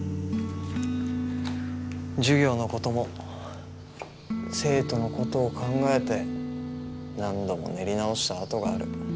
授業のことも生徒のことを考えて何度も練り直した跡がある。